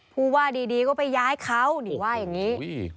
ผู้ว่าดีก็ไปย้ายเขานี่ว่าอย่างนี้